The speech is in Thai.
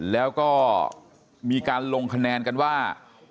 แล้วก็มีการลงคะแนนกันว่า